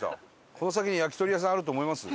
この先に焼き鳥屋さんあると思います？